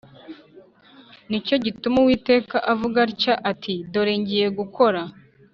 Ni cyo gituma Uwiteka avuga atya ati Dore ngiye gukora